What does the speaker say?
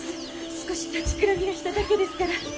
少し立ちくらみがしただけですから。